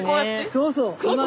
そうそう。